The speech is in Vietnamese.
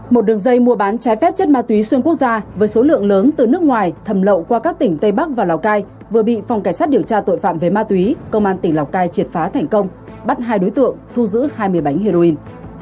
một đường dây mua bán trái phép chất ma túy xuyên quốc gia với số lượng lớn từ nước ngoài thầm lậu qua các tỉnh tây bắc và lào cai vừa bị phòng cảnh sát điều tra tội phạm về ma túy công an tỉnh lào cai triệt phá thành công bắt hai đối tượng thu giữ hai mươi bánh heroin